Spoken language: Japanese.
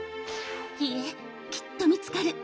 いいえきっと見つかる！